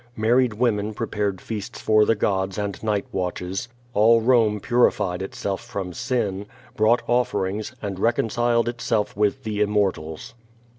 Married women prepared feasts for the gods and night watches. All Rome purified itself from sin, brought offerings, and reconciled itself with the immortals.